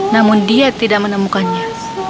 namun dia tidak menemukannya